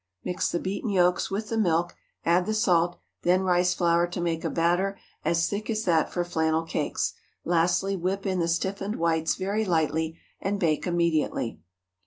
Mix the beaten yolks with the milk, add the salt, then rice flour to make a batter as thick as that for flannel cakes; lastly, whip in the stiffened whites very lightly, and bake immediately.